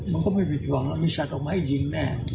มันก็ไม่มีผิดหวังผมมีสัตว์ออกมาให้ยิงแน่